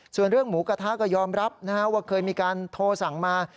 ส่วนเรื่องหมูกระทะก็ยอมรับว่าเคยมีการโทรสั่งมา